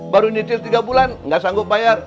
baru nitir tiga bulan nggak sanggup bayar